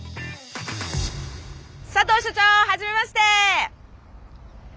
佐藤所長はじめまして！